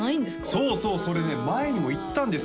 そうそうそれね前にも言ったんです